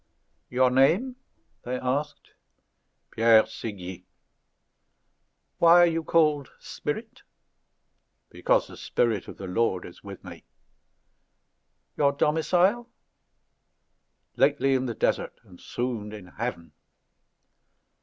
"Your name?" they asked. "Pierre Séguier." "Why are you called Spirit?" "Because the Spirit of the Lord is with me." "Your domicile?" "Lately in the desert, and soon in heaven."